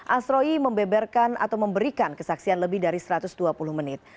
asroi membeberkan atau memberikan kesaksian lebih dari satu ratus dua puluh menit